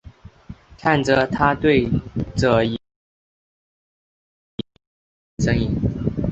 看着他对着一个布包跪拜和痛苦呻吟。